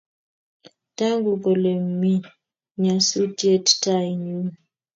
Tagu kole mi nyasutyet tai yun.